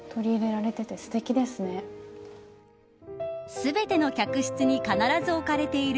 全ての客室に必ず置かれている